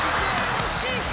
惜しい。